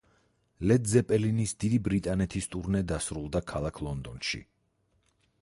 ლედ ზეპელინის დიდი ბრიტანეთის ტურნე დასრულდა ქალაქ ლონდონში.